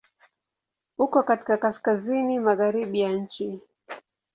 Uko katika Kaskazini magharibi ya nchi.